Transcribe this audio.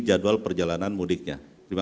jadwal perjalanan mudiknya